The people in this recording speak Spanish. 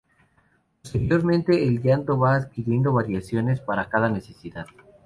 Posteriormente el llanto va adquiriendo variaciones para cada necesidad.